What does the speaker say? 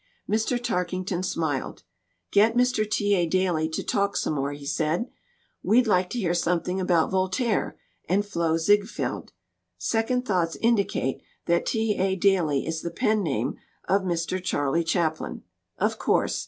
Mr. Tarkington smiled. "Get Mr. T. A. Daly to talk some more," he said. "We'd like to hear something about Voltaire and Flo Ziegfeld. Sec ond thoughts indicate that 'T. A. Daly' is the pen name of Mr. Charlie Chaplin. Of course!